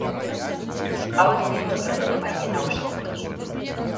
Hauek dira Ebroren emaile nagusiak.